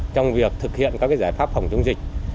trong việc thực hiện các giải pháp phòng chống dịch